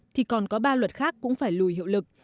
thì còn có ba luật khác cũng phải lùi hiệu lực